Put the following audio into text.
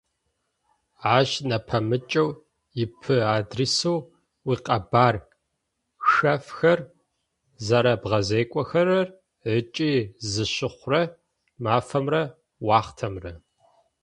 Ащ нэпэмыкӏэу, Ип-адресэу уикъэбар шъэфхэр зэрэбгъэзекӏохэрэр ыкӏи зыщыхъурэ мафэмрэ уахътэмрэ.